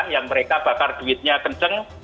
yang mereka bakar duitnya kenceng